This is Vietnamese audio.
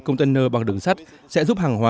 container bằng đường sắt sẽ giúp hàng hóa